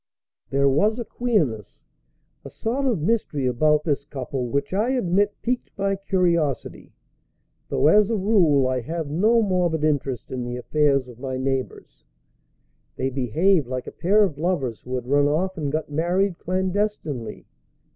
There was a queerness, a sort of mystery, about this couple which I admit piqued my curiosity, though as a rule I have no morbid interest in the affairs of my neighbors. They behaved like a pair of lovers who had run off and got married clandestinely.